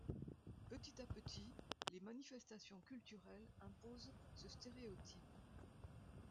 Petit à petit, les manifestations culturelles imposent ce stéréotype.